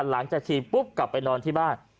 หลังจากฉีดปุ๊บกลับไปนอนที่บ้าน